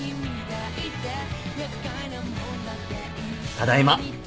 ・ただいま。